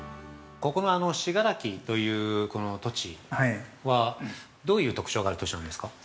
◆信楽という土地はどういう特徴がある土地なんですか？